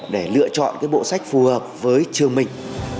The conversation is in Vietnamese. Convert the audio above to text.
để lựa chọn cái bộ sách phù hợp với trường mình